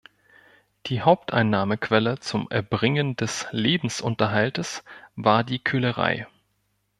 Die Haupteinnahmequelle zum Erbringen des Lebensunterhaltes war die Köhlerei.